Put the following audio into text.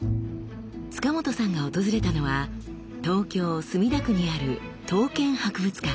塚本さんが訪れたのは東京・墨田区にある刀剣博物館。